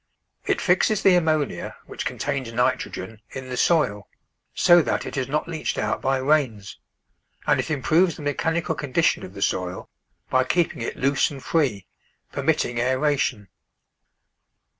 It fixes the ammonia, which contains nitrogen, in the soil, so that it is not leached out by rains, and it im proves the mechanical condition of the soil by keep ing it loose and free, permitting aeration.